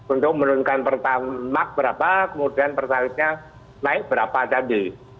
untuk menurunkan pertamak berapa kemudian pertalitnya naik berapa tadi